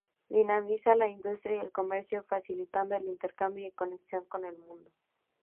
Dinamizar la industria y el comercio, facilitando el intercambio y conexión con el mundo.